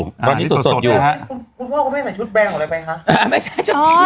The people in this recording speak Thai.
ของพ่อก็ไม่จะเซอร์ชุดแบรนด์ไปค่ะ